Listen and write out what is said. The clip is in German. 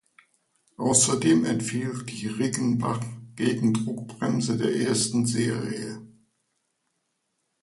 Außerdem entfiel die Riggenbach-Gegendruckbremse der ersten Serie.